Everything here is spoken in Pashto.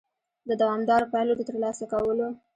د دوامدارو پایلو د ترلاسه کولو